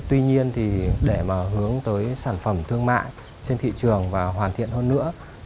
tuy nhiên để hướng tới sản phẩm thương mại trên thị trường và hoàn thiện hơn nữa